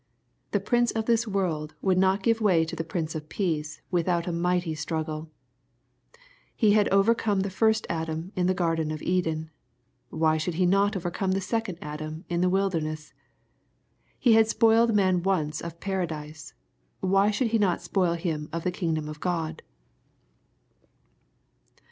The prince of this world would not give way to the Prince of peace without a mighty struggle. He had overcome the first Adam in the garden of Eden ;— ^why should he not overcome the second Adam in the wilderness ? He had spoiled man once of Paradise ;— ^why should he not spoil him of the kingdom of God.